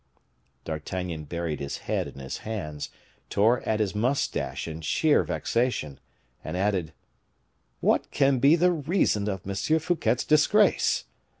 D'Artagnan buried his head in his hands, tore at his mustache in sheer vexation, and added, "What can be the reason of M. Fouquet's disgrace?